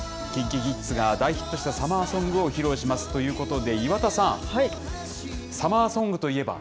ＫｉｎＫｉＫｉｄｓが大ヒットしたサマーソングを披露しますということで、岩田さん、サマーソングといえば？